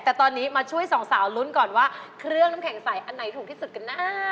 แต่ตอนนี้มาช่วยสองสาวลุ้นก่อนว่าเครื่องน้ำแข็งใสอันไหนถูกที่สุดกันนะ